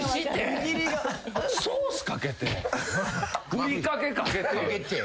ソースかけてふりかけかけて。